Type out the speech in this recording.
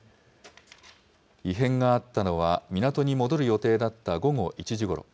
異変があったのは、港に戻る予定だった午後１時ごろ。